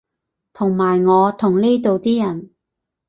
同埋我同呢度啲人